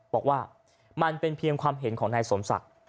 บอกว่ามันเป็นเพียงความเห็นของนายสมศักดิ์